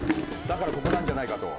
だからここなんじゃないかと。